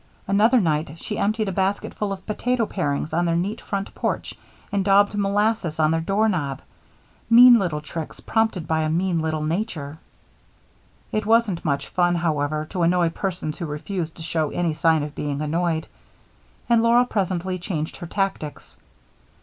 Another night she emptied a basketful of potato parings on their neat front porch and daubed molasses on their doorknob mean little tricks prompted by a mean little nature. It wasn't much fun, however, to annoy persons who refused to show any sign of being annoyed, and Laura presently changed her tactics.